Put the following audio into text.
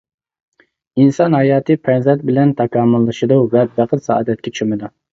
ئىنسان ھاياتى پەرزەنت بىلەن تاكامۇللىشىدۇ ۋە بەخت سائادەتكە چۆمىدۇ.